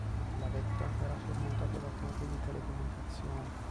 La vetta era sormontata da torri di telecomunicazioni.